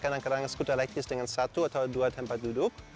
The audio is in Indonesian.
maka kadang kadang skuter elektris dengan satu atau dua tempat duduk